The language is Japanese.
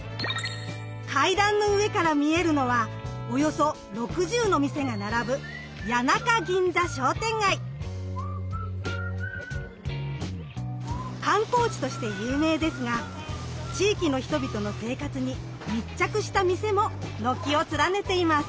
階段の上から見えるのはおよそ６０の店が並ぶ観光地として有名ですが地域の人々の生活に密着した店も軒を連ねています。